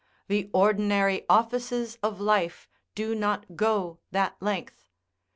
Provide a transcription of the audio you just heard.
the ordinary offices of fife do not go that length.